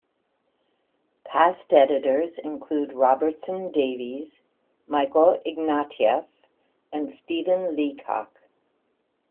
Past editors include Robertson Davies, Michael Ignatieff, and Stephen Leacock.